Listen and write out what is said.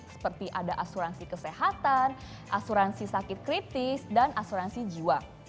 seperti ada asuransi kesehatan asuransi sakit kritis dan asuransi jiwa